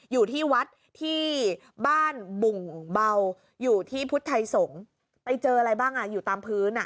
อยู่ที่วัดที่บ้านบุ่งเบาอยู่ที่พุทธไทยสงฆ์ไปเจออะไรบ้างอ่ะอยู่ตามพื้นอ่ะ